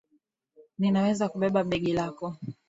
Ninaweza kubeba begi lako